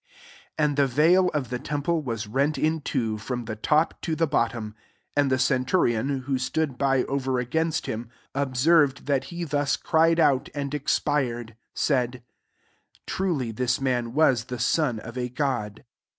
38 And the veil of the temple was rent in two, from the top to the bottom. 39 And the o^^itu rion, who stood by ov«r ag^ainst him, observing that he thus cried out, and expired, said, <* Truly this man was the son of a god."